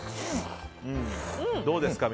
どうですか？